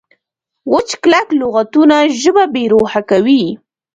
وچ کلک لغتونه ژبه بې روحه کوي.